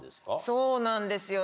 そうなんですよ